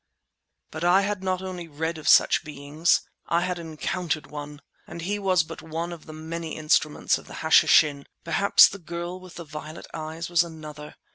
But I had not only read of such beings, I had encountered one! And he was but one of the many instruments of the Hashishin. Perhaps the girl with the violet eyes was another.